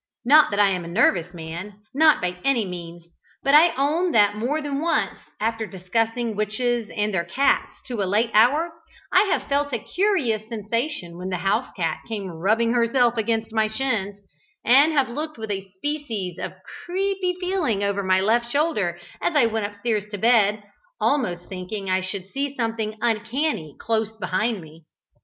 Not that I am a nervous man: not by any means; but I own that more than once, after discussing witches and their cats to a late hour, I have felt a curious sensation when the house cat came rubbing herself against my shins, and have looked with a species of creepy feeling over my left shoulder as I went upstairs to bed, almost thinking I should see something "uncanny" close behind me.